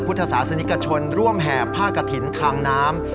พุทธศาสนิกชนร่วมแห่ภาคกะทินคางน้ำ